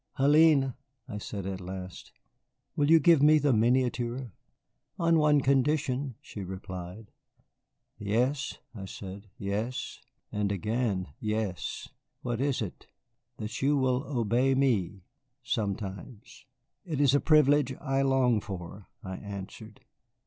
"Hélène," I said at last, "will you give me the miniature?" "On one condition," she replied. "Yes," I said, "yes. And again yes. What is it?" "That you will obey me sometimes." "It is a privilege I long for," I answered.